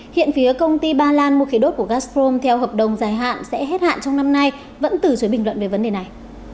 hiện phía công ty ba lan mua khí đốt của gastprom theo hợp đồng dài hạn sẽ hết hạn trong năm nay vẫn từ chối bình luận về vấn đề này